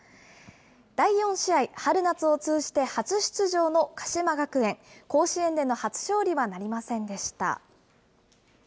第４試合、春夏を通じて初出場の鹿島学園、甲子園での初勝利はなりませんでした。